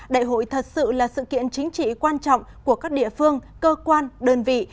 đại hội thật sự là sự kiện chính trị quan trọng của các địa phương cơ quan đơn vị